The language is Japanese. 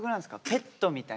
ペットみたいな。